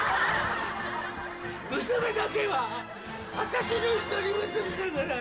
娘だけは私の一人娘だから！